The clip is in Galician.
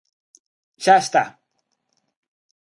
¡Xa está!